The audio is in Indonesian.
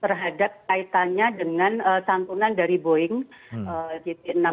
terhadap kaitannya dengan santunan dari boeing jt enam ratus sepuluh